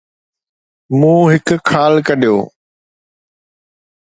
مون هڪ خال ڪڍيو